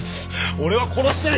俺は殺してない。